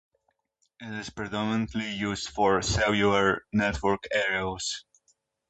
It is now predominantly used for cellular network aerials.